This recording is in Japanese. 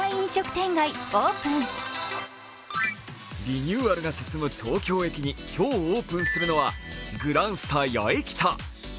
リニューアルが進む東京駅に今日オープンするのはグランスタ八重北。